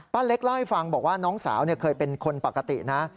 เล็กเล่าให้ฟังบอกว่าน้องสาวเคยเป็นคนปกตินะ